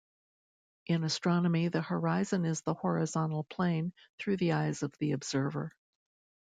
In astronomy the horizon is the horizontal plane through the eyes of the observer.